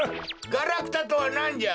ガラクタとはなんじゃ！